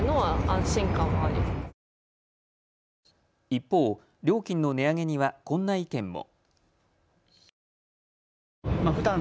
一方、料金の値上げにはこんな意見も。